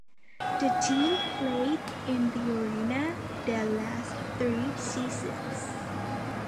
The team played in the arena their last three seasons.